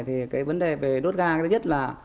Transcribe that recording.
thì cái vấn đề về đốt ga thứ nhất là